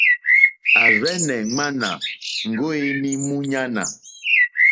À rzɛ́nɛ̀ ŋmánà ŋɡó ǃéní múɲánà,.